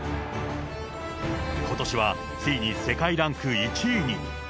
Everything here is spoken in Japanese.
ことしは、ついに世界ランク１位に。